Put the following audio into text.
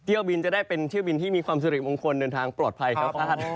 เที่ยวบินจะได้เป็นเที่ยวบินที่มีความสิริมงคลเดินทางปลอดภัยครับ